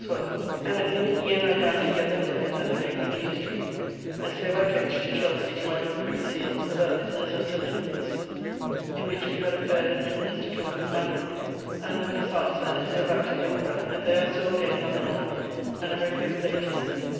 Swell), and at noon he and I dined together alone at the Legg in King Street, and so by coach to Chelsy to my Lord Privy Seal's about business of Sir William's, in which we had a fair admittance to talk with my Lord, and had his answer, and so back to the Opera, and there I saw again "Love and Honour," and a very good play it is.